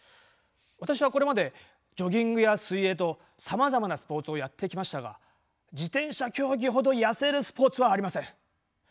私はこれまでジョギングや水泳とさまざまなスポーツをやってきましたが自転車競技ほど痩せるスポーツはありません。